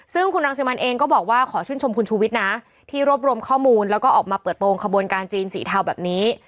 ซึ่งคุณรังสิมันเองก็บอกว่าขอชื่นชมคุณชูวิทย์นะที่รวบรวมข้อมูลแล้วก็ออกมาเปิดโปรงขบวนการจีนสีเทาแบบนี้